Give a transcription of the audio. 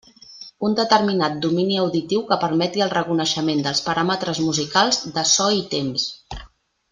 Un determinat domini auditiu que permeti el reconeixement dels paràmetres musicals de so i temps.